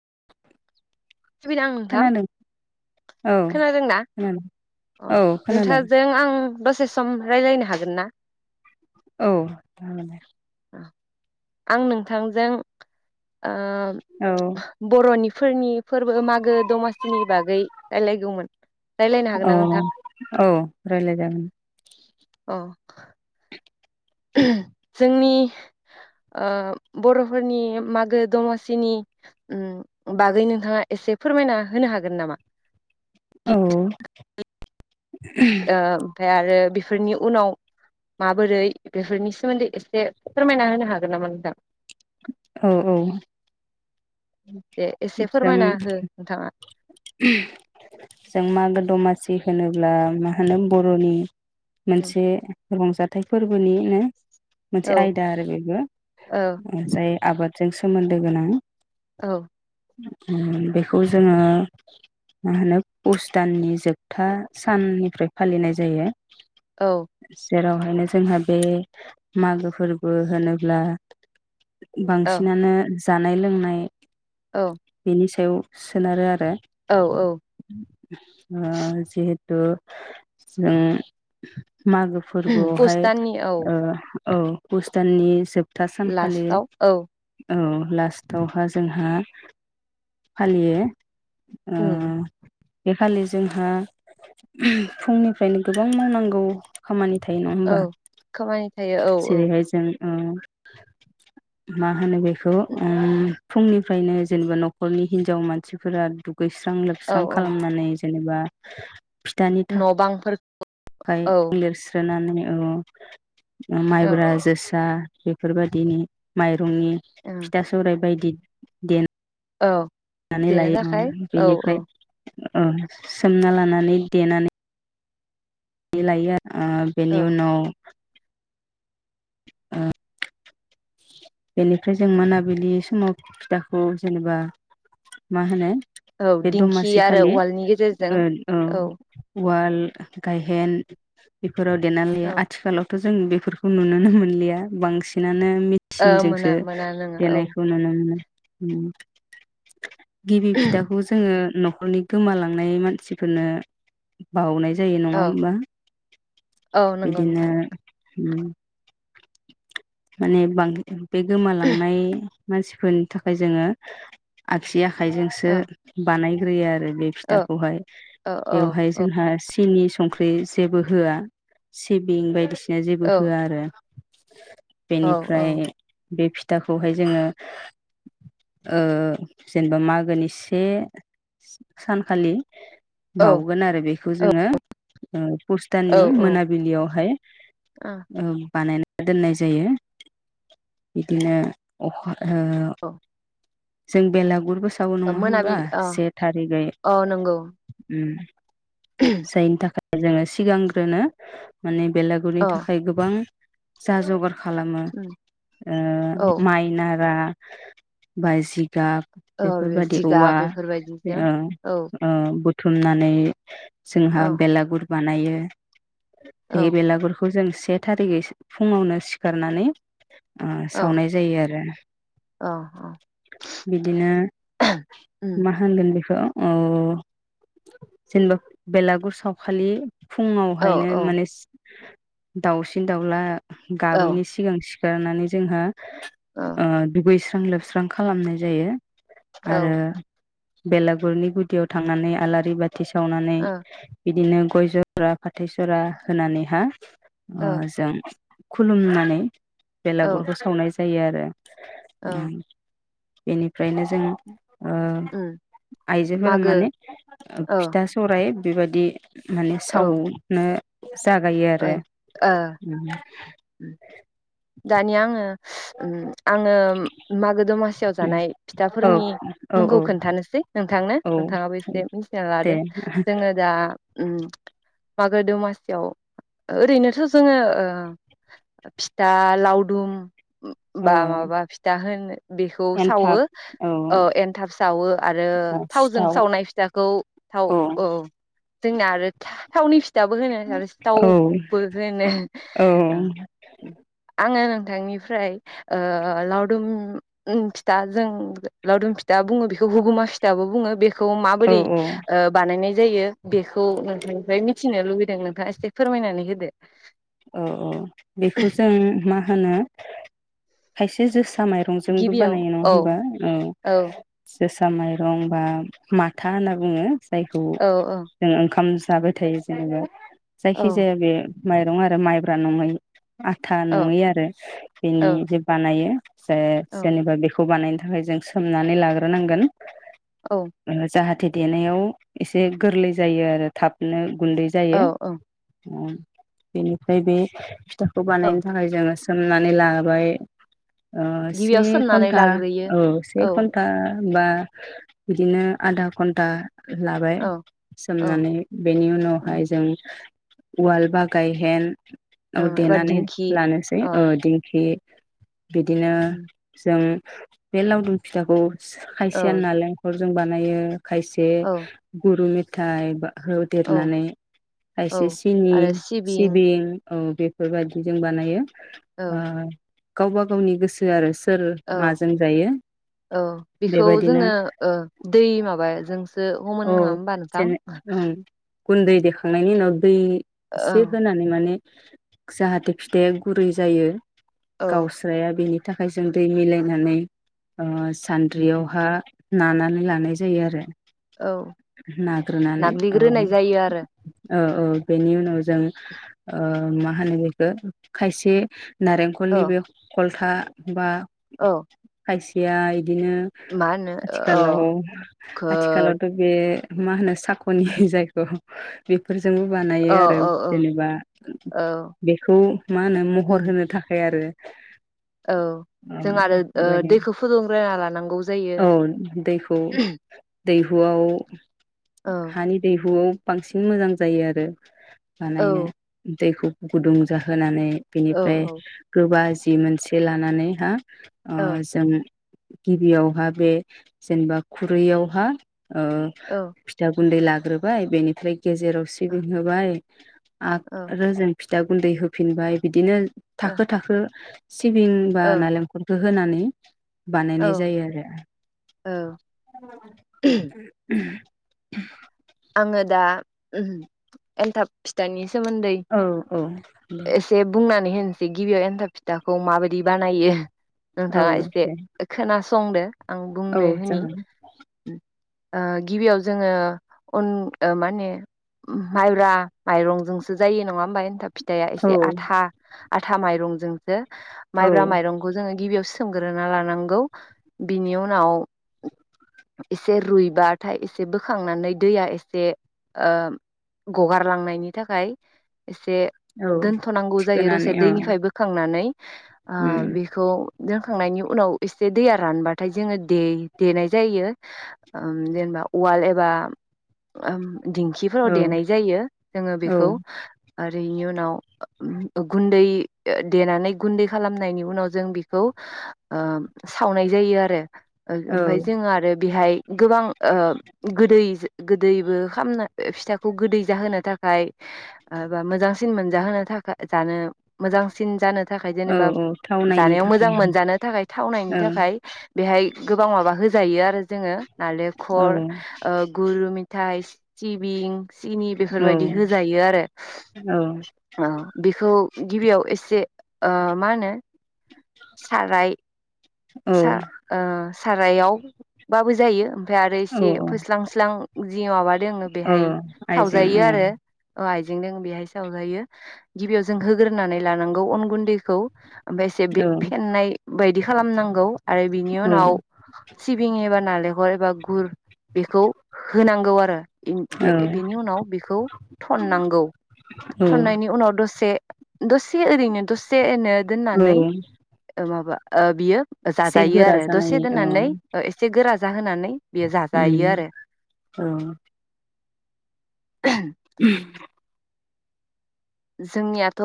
[unintelligible] सुबिदा आं नोंथां खोनादों औ खोनादोंना खोनादों अ औ खोनादों नोंथाजों आं दसे सम रायलायनो हागोन ना औ हागोन दे आं नोंथांजों ओ औ बर'नि फोरनि फोरबो मागो दमासिनि बागै रायलायगौमोन रायलायनो हागोन औ ना नोंथां औ रायलाय जागोन अ जोंनि ओ बर'फोरनि मागो दमासिनि ओम बागै नोंथाङा एसे फोरमायना होनो हागोन नामा? औ ओ ओमफाय आरो बेफोरनि उनाव माबोरै बेफोरनि सोमोन्दै एसे फोरमायना होनो हागोन नामा नोंथां? औ औ उम जों जों मागो दमासि होनोब्ला मा होनो बर'नि उम मोनसे रंजाथाइ फोरबोनि नो मोनसे औ आयदा आरो बेबो औ जाय आबाद जों सोमोन्दो गोनां। औ। ओम बेखौ जोङो मा होनो पौस दाननि जोबथा साननिफ्राय फालिनाय जायो। औ जेराव [unintelligible] जोंहा बे मागो फोरबो होनोब्ला औ बांसिनानो जानाय लोंनाय। औ। नि सायाव सोनारो आरो। औ औ ओ जिहेत तु जों मागो पुस फोरबोआवहाय दाननि औ ओ औ पस्थाननि सोब था सानखालि लास्टाव औ औ लास्टआवहा जोंहा फालियो। उम ओ खालि जोंहा फुंनिफ्रायनो गोबां मावनांगौ खामानि। थायो‌ नङा औ होमबा खामानि थायो औ औ जेरैहाय जों ओम मा होनो बेखौ ओम फुंनिफ्रायनो जेनेबा न'खरनि हिनजाव मानसिफोरा गैस्रां औ लोबस्रां औ खालामनानै जेनेबा फिथानि न' बांफोर थाखाय औ लिरस्रोनानै औ। औ माइब्रा जोसा बेफोरबायदिनि माइ रंनि ओं फिथा सौराइ बायदि देन औ। नानै देनो लायो ओ थाखाय औ औ बेनिफ्राय ओ सोमना लानानै देनानै लायो [unintelligible] आ औ बेनि उनाव ओ बेनिफ्राय जों मोनाबिलि समाव फिथाखौ जेनेबा मा होनो औ बे दिंखि दमासि आरो खालि उवालनि गेजेरजों औ उवाल गायहेन फोराव देना लायो। औ आथिखालाव थ' जों बेफोरखौ नुुनोनो मोनलिया बांसिनानो ओ मोना थिनजोंसो मोना नोङा औ देनायखौ नुनो मोनो। उम गिबि फिथाखौ जोङो न' खरनि गोमालांनाय मानसिफोरनो बावनाय जायो नङा औ होमबा? औ नंगौ बिदिनो नोंथां उम माने [unintelligible] बे गोमालांनाय मानसिफोरनि थाखाय जोङो आखिया आखाइजोंसो औ बानाय ग्रोयो आरो। बे औ फिथाखौहाय औ बेवहाय औ जोंहा सिनि संख्रि जेबो होआ सिबिं बायदिसि बिहाय औ जेबो होआ आरो [inaudible] औ औ बेनिफ्राय बे फिथाखौहाय जोङो ओ जेनेबा मागोनि से सानखालि औ बावगोन आरो बेखौ जोङो पुष ओ दाननि मोनाबिलियावहाय। बानायना दोननाय जायो गदिनो अखा ओ जों बेलागुरबो सावो औ नङा मोनाबि होमबा अ से थारिगै। अ नंगौ उम जायनि थाखाय जोङो सिगांग्रोनो माने बेलागुरनि अ थाखाय गोबां जा जगार खालामो उम ओ औ माइ नारा बायसि गाब औ बेफोरबायादि औवा जिगाब बेफोरबायदिजों ओ औ ओ बुथुमनानै जोंहा औ बेलागुर बानायो। औ बे बेलागुरखौ जों से थारिगैसो फुङावनो सिखारनानै ओ औ सावनाय जायो आरो। औ औ बिदिनो मा होनगोन बेखौ उ जेनेबा बेलागुर सावखाालि औ फुङावहायनो माने स दाउसिन दाउला औ गाबैनि सिगां सि गारनानै जोंहा ओ दुगैस्र स्रां लोबस्रां खालामनाय जायो। औ आरो ओ बेलागुरनि गुदियाव थांनानै आलारि बा थि सावनानै बिदिनो गय जरा फाथै सरा होनानैहा अ जों खुलुमनानै ओ औ बेलागुरखौ सावनाय जा यो आरो। औ उम। बेनिफ्रायनो जों ओ उम आइजोफोरा मागो माने ओ औ फिथा सौराय बेबायदि माने औ ओ साव नो जागायो आरो उम। उम। दानिया आङो उम आङो मागो दमासियाव जानाय औ फिथाफोरनि औ औ मुंखौ खोन्थानोसै नोंथांनो औ नोंथाङाबो एसे मिथिना दे लादो। जोङो दा उम मागो दमासियाव ओरैनोथ' जोङो ओ फि था लावदुम उम औ बा माबा फिथा होनो बेखौ सावो औ एन्थाब सावो आरो थावजों सिथाव सावनाय फिथाखौ थाव औ जोंनिया आरो थावनि फिथा फिथाबो होनो आरो औ सिथावबो होनो ओ आङो नोंथांनिफ्राय ओ लावदुम उम फिथाजों लावदुम फिथा बुङो बि बेखौ हुगुमा फिथाबो बुङो बेखौ खौ औ माबोरै बानायनाय जायो बेखौ नोंथांनिफ्राय मि मिथिनो लुबैदों नोंथाङा एसे फोरमायनानै होदो औ औ बेखौ जों मा होनो खायसे जोसा माइरंजोंबो गिबियाव बानायो नङा औ होनबा औ जोसा माइरं बा माथा होनना बुङो जायखौ औ औ जों ओंखाम जाबाय थायो जेनेबा जायखि औ जाया बे माइ आरो माइब्रा नङै आथा औ नङै आरो बेनि औ जे बानायो से औ जेननिफ्राया बिखौ बानायनि थाखाय जों सोमनानै लाग्रोनांगोन औ ओं जाहाथे देनायाव एसे गोरलै जायो आरो थाबनो गुन्दै जायो औ औ बेनिफ्राय बे खौ औ बानायनो थाखाय जोङो सोमनानै लाबाय से गिबियाव सोमनानै घन्टा लाग्रोयो औ से औ घन्टा बा बिदिनो आधा घन्टा लाबाय औ औ सोमनानै बेनि उम उनावहाय जों वाल बाग गायहेन ओं एबा देनानै दिंखि लानोसै अ औ दिंखि बिदिनो उम जों बेे लाउदुम फिथाखौ औ खायसेआ नालेंखर जों बानायो खायसे औ गुरु मे थाइबा औ होदेरनानै औ खायसे सिनि सिबिं औ बेफोरबायदि जों बानायो। औ ओ गावबा गावनि गोसो आरो। सोर औ माजों जायो औ बेखौ बेबायदिनो जोंङो ओ दै माबाजोंसो हमो औ नंङा होमबा नोंथां? जेने ओं गुन्दै देखांनायनि उनाव दै औ एसे होनानै माने जाहाथे फिथाइया गुरै जायो। औ गावस्राया बेनि थाखाय जों दै मिलायनानै ओ उम सान्द्रियावहा नानानै लानाय जायो आरो। औ नाग्रोनानै औ नाग्लिग्रोनाय जायो आरो। औ औ बेनि उनाव जों ओ मा होनो बेखौ खायसे औ नारेंखलनि बे खल था बा औ। बेयाइ बिदिनो मा होनो अ आथिखालाव खोद आथिखालावथ' बे मा होनो साखनि जायखौ बेफोर जोंबो बानायो औ आरो। औ औ जेनेबा औ बेखौ मा होनो उम महर होनो थाखाय आरो। औ जों आरो ओ बेबायदि दैखौ फुदुंग्रोना लानांगौ जायो औ दैखौ दैहुआव औ हानि दैहुआव बांसिन मोजां जायो आरो। औ बानायनो दैखौ गुंदुं जाहोनानै। औ बेनिफ्राय औ गोबा। जि मोनसे लानानै हा अ औ जोंयो गिबियावहा बे जेनेबा खुरैयावहा ओ फिथा गुन्दै ला ग्रोबाय बेनिफ्राय। गेजेराव सिबिं होबाय। आब औ रोजों। फिथा गुन्दै होफिनबाय बिदिनो। थाखो थाखो। सिबिं बा औ नालेंखरखो। होनानै। औ बानायनाय जायो आरो ओम। औ [inaudible] आङो दा ओहोम एन्थाब फिथानि। सोमोन्दै आरो औ औ एसे बुंनानै। होनसै गिबियाव एन्थाब फिथाखौ माबायदि बानायो। औ नोंथाङा एसे दे खोनास। संदो। आं औ बुंनो होननि। जागोन ओ गिबियाव जोङो। अन ओ माने माइब्रा माइरंजोंसो जायो नङा ओमबा? एनथाबथ फि दाया औ एसे आथा। आथा माइरंजोंसो। औ माइब्रा माइरंखौ जोङो गिबियाव सो। सोमग्रोना लानांगौ बिनि उनाव इसे रुइबाथाय इसे बोखांनानै। दैया एसे ओ गगारलांनायनि थाखाय। एसे औ दोनथ'नांगौ जायो थिखोनानै दसे औ दैनिफ्राय बोखांनानै ओ उम बिखौ। दोंखांनायनि उनाव एसे दैया रानबाथाय जोङो दे देनाय जायो ओम जेनेबा उवाल एबा। ओम। दिंखिफोराव औ देनाय जायो जोङो औ बेखौ आरो। दैनि उनाव, ओ ओ गुन्दै ओ देनानै गुन्दै खालामनायनि उनाव जों बेखौ, ओ सावनाय जायो आरो। ओं औ ओमफाय जोङो आरो बिहाय गोबां ओ गोदै गोदैबो खाम ना ओ फिथाखौ गोदै जाहोनो थाखाय ओ बा मोजांसिन मोनजाहोनो थाखाय जानो मोजांसिन जानो थाखाय औ जेनेबा औ थावनायनि जानायाव मोजां थाखाय मोनजानो थाखाय थावनायनि औ थाखाय बेहाय गोबां माबा होजायो आरो जोङो। औ नारेंखल ओ गुरु मिथाइ सिबिं सिनि औ बेफोरबायदि होजायो आरो औ औ बेखौ गिबियाव एसे ओ मा होनो साराय औ सा ओ सारायावबाबो जायो। ओमफ्राय आरो औ इसे फोस्लांस्लां जि माबा जोंनो औ बेहाय आइजें सावजायो औ आरो जों बेहाय सावजायो गिबियाव जों होग्रोनानै लानांगौ अन गुन्दैखौ ओमफ्राय एसे औ फेनाय बायदि खालामनां गौ। आरो बिनि औ उनाव सिबिं एबा नारेंखल एबा गुर बेखौ होनांगौ आरो। बे औ बेनि उनाव बेखौ थननांगौ थननायनि उनाव दसे दसे ओरैनो दसे नो औ दोननानै ओ माबा ओ बियो एसे जाजायो गोरा आरो दसे जानायनि औ दोननानै ओ एसे गोरा होनानै बेयो जाजायो उम आरो [inaudible] जोंनियाथ'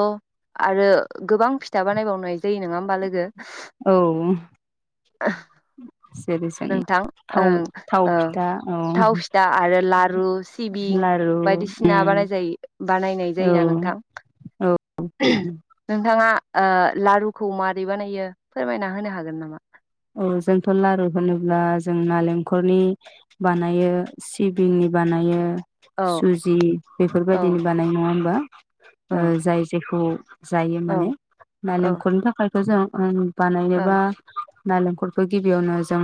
आरो गोबां फिथा बानायबावनाय जायो नङा होमबा लोगो? औ जेरै जों नोंथां थाव ओं थाव ओ फिथा औ थाव फिथा आरो लारु सिबिं लारु बायदिसिना उम बानायजायो बानायनाय औ जायोना नोंथां? औ नोंथां नोंथाङा ओ लारुखौ मारै बानायो फोरमायना होनो हागोन नामा? औ जोंथ' लारु होनोब्ला जों नालेंखलनि बानायो सिबिंनि बानायो औ सुजि औ बेफोरबायदिनि बानायो नङा होम्बा? औ जाय जायखौ जायो औ माने औ नालेंखरनि थाखाय मोजां ओ नों बानायो औ बा नालेंखरखो गिबियावनो जों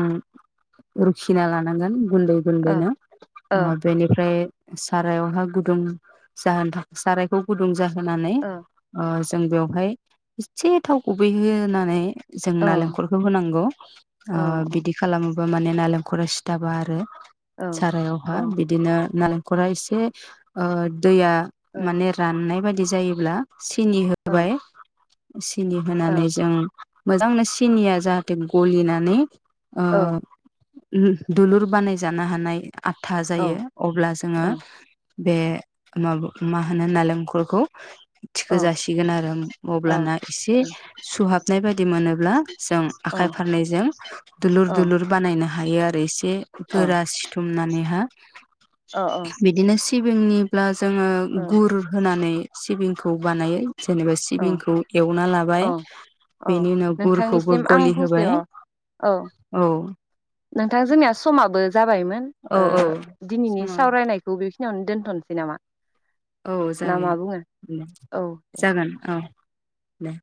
रुखिना लानांगोन। गुन्दै औ गुन्दैनो औ अ बेनिफ्राय सारायावहा गुदुं जाहोनो थाखा सारायखौ गुदुं जा होनानै औ ओ जों बेवहाय एसे थाव गुबै होनानै जों औ नालेंखरखौ होनां गौ ओ औ बिदि खालामो बा माने नालेंखरा सिथाबा आरो सारायावहा औ बिदिनो नालें खरा इसे ओ दैया औ माने राननाय बाय दि जायोब्ला सिनि औ होबाय सिनि होनानै जों मोजांनो सिनिया जाहा थे गलिनानै ओ उम दुलुर बानायजानो हानाय आटथा जायो अब्ला जोङो बे माबा मा होनो नालेंखरखौ? थिखो जासिगोन आरो उम अब्लाना एसे सुहाब नाय बायदि मोनोब्ला जों आखाइ फारनैजों दुलुर दुलुर बानायनो हायो आर [unintelligible] ए गोरा सिथुमनानैहा [inaudible] अ अ बिदिनो सिबिंनिब्ला जोङो गुर होनानै सिबिं खौ बानायो। जेनेबा सिबिंखौ एवना लाबाय बेनि उनाव गुरखौबो नोंथांनिसिम आं गलि फंसे होबाय औ औ। नोंथां जोंनिया समाबो जाबायमोन औ ओ औ दिनैनि समाव सावरायनायखौ बे खिनियावनो दोनथ'नोसै नामा? औ ना जायो मा बुङो दे औ दे जागोन औ। दे